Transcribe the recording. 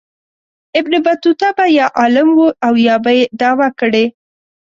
ابن بطوطه به یا عالم و او یا به یې دعوه کړې.